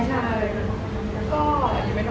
ใช่ค่ะ